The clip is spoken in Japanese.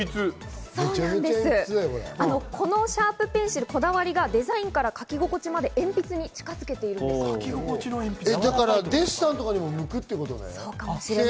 このシャープペンシル、こだわりがデザインから書き心地まで鉛筆に近づけているんですっデッサンとかにも向くってことだよね。